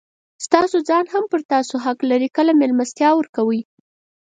ستاسي ځان هم پر تاسو حق لري؛ کله مېلمستیا ورکوئ!